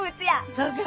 そうか。